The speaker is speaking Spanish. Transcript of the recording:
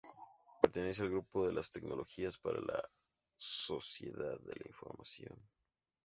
Pertenece al grupo de las Tecnologías para la Sociedad de la información.